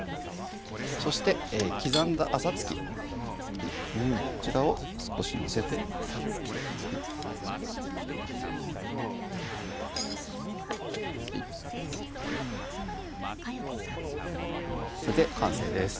そして刻んだあさつきこちらを少し載せてあさつきこれで完成です